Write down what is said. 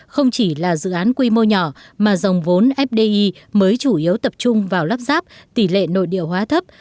không chỉ là dự án quy mô nhỏ mà dòng vốn fdi mới chủ yếu tập trung vào lắp ráp tỷ lệ nội địa hóa thấp